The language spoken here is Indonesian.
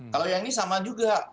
kalau yang ini sama juga